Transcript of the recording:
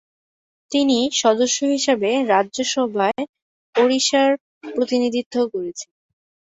তিনি সদস্য হিসাবে রাজ্যসভায় ওড়িশার প্রতিনিধিত্ব করেছেন।